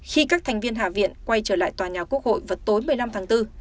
khi các thành viên hạ viện quay trở lại tòa nhà quốc hội vào tối một mươi năm tháng bốn